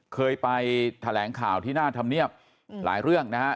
เคยไปแถลงข่าวที่หน้าธรรมเนียบหลายเรื่องนะฮะ